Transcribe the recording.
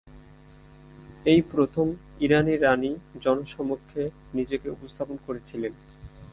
এই প্রথম ইরানি রাণী জনসমক্ষে নিজেকে উপস্থাপন করেছিলেন।